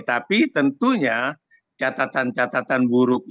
tapi tentunya catatan catatan buruk itu